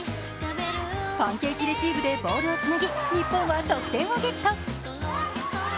パンケーキレシーブでボールをつなぎ日本は得点をゲット。